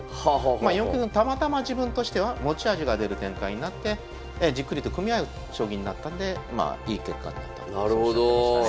まあたまたま自分としては持ち味が出る展開になってじっくりと組み合う将棋になったんでいい結果になったとそうおっしゃってましたね。